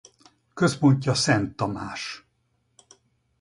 Központja Szenttamás.